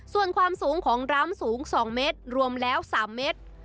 ส่วนความสูงของรำสูง๒เมตรรวมแล้ว๓เมตร